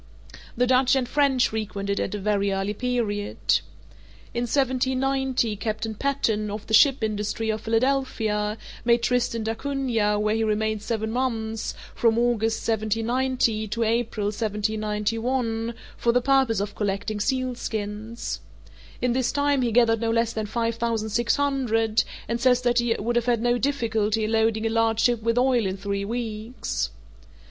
The Dutch and French frequented it at a very early period. In 1790, Captain Patten, of the ship Industry, of Philadelphia, made Tristan d'Acunha, where he remained seven months (from August, 1790, to April, 1791) for the purpose of collecting sealskins. In this time he gathered no less than five thousand six hundred, and says that he would have had no difficulty in loading a large ship with oil in three weeks.